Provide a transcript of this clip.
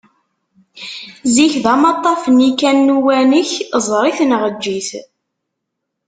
Zik d amaṭṭaf-nni kan n Uwanak, ẓer-it, neɣ eǧǧ-it!